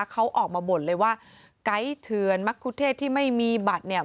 เขาออกมาบ่นเลยว่าไกด์เถือนมักคุเทศที่ไม่มีบัตรเนี่ย